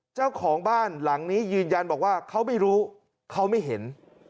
เจ้าของบ้านหลังนี้ยืนยันบอกว่าเขาไม่รู้เขาไม่เห็น